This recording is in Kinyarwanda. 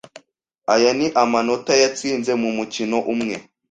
Aya ni amanota yatsinze mu mukino umwe